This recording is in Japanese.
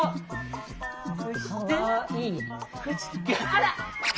あら！